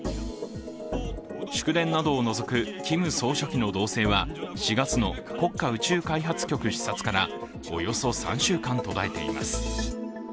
祝電などを除くキム総書記の動静は４月の国家宇宙開発局視察からおよそ３週間途絶えています。